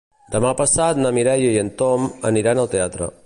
Demà passat na Mireia i en Tom aniran al teatre.